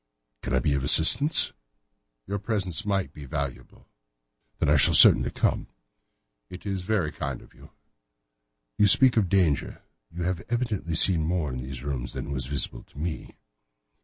"Can I be of assistance?" "Your presence might be invaluable." "Then I shall certainly come." "It is very kind of you." "You speak of danger. You have evidently seen more in these rooms than was visible to me."